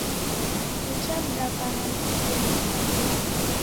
Uja mdaw'ana ni kidoi sa ndee.